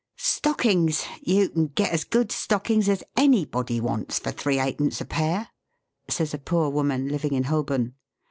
" Stockings ! You can get as good stockings as tffi^body wants for three ha'pence a pair," says a poor woman living in Holborn.